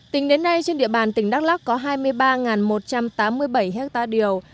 tính đến nay trên địa bàn tỉnh đắk lắc có hai mươi ba một trăm tám mươi bảy ha điều